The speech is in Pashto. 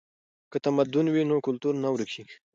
که تمدن وي نو کلتور نه ورکیږي.